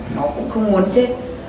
nó cũng không muốn chết